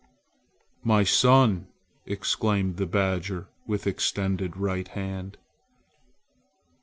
"My son!" exclaimed the badger with extended right hand.